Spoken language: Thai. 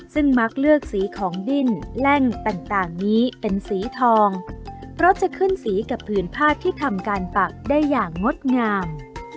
ซึ่งมักเลือกสีของดิ้นแหล่งต่างนี้เป็นสีทองเพราะจะขึ้นสีกับผืนผ้าที่ทำการปักได้อย่างงดงาม